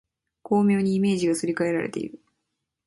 巧妙にイメージがすり替えられている